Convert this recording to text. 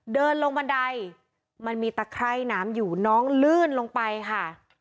เดินลงบันไดมันมีตะไคร่น้ำอยู่น้องลื่นลงไปค่ะ